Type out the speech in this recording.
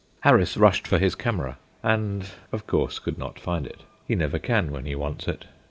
Harris rushed for his camera, and of course could not find it; he never can when he wants it.